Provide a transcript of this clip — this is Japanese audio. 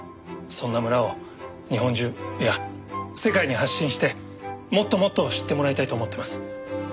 そんな村を日本中いや世界に発信してもっともっと知ってもらいたいと思ってます。